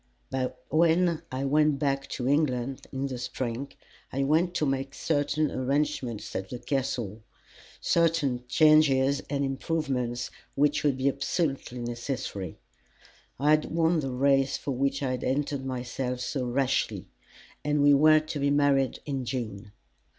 But when I went back to England in the spring, I went to make certain arrangements at the Castle certain changes and improvements which would be absolutely necessary. I had won the race for which I had entered myself so rashly, and we were to be married in June.